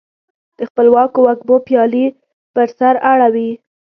د خپلواکو وږمو پیالي پر سر اړوي